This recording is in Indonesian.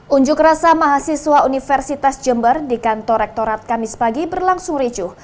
unjuk rasa mahasiswa universitas jember di kantor rektorat kamis pagi berlangsung ricuh